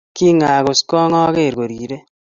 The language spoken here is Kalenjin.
kingakus kong oger korirei